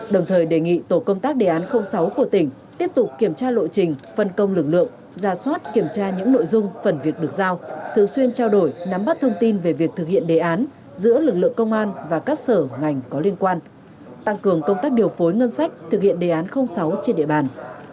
đồng thời đề nghị tổ công tác đề án sáu của tỉnh tiếp tục kiểm tra lộ trình phân công lực lượng ra soát kiểm tra những nội dung phần việc được giao thường xuyên trao đổi nắm bắt thông tin về việc thực hiện đề án giữa lực lượng công an và các sở ngành có liên quan tăng cường công tác điều phối ngân sách thực hiện đề án sáu trên địa bàn